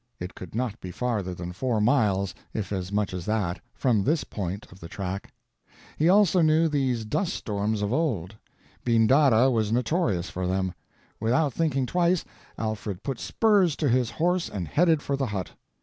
It could not be farther than four miles, if as much as that, from this point of the track. He also knew these dust storms of old; Bindarra was notorious for them: Without thinking twice, Alfred put spurs to his horse and headed for the hut.